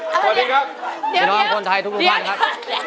ชื่อน้องคนไทยทุกบ้านครับ